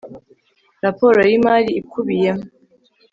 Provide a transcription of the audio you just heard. Raporo y imari ikubiyemo